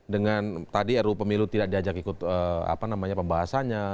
dengan tadi ru pemilu tidak diajak ikut pembahasannya